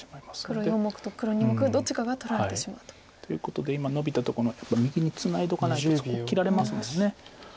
黒４目と黒２目どっちかが取られてしまうと。ということで今ノビたとこの右にツナいどかないとそこ切られますもんね。